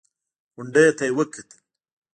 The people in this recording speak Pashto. غونډۍ ته يې وکتل.